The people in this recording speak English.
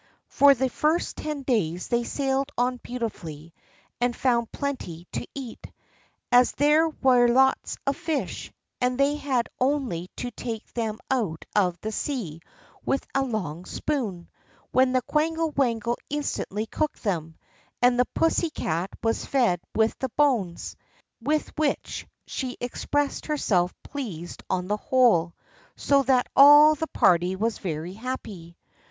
For the first ten days they sailed on beautifully, and found plenty to eat, as there were lots of fish; and they had only to take them out of the sea with a long spoon, when the quangle wangle instantly cooked them; and the pussy cat was fed with the bones, with which she expressed herself pleased on the whole; so that all the party was very happy.